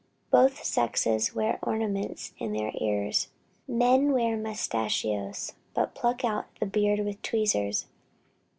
Both sexes wear ornaments in the ears. Men wear mustachios, but pluck out the beard with tweezers.